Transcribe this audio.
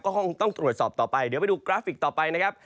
ก็คงต้องตรวจสอบต่อไปเดี๋ยวไปดูกราฟิกต่อไปนะครับ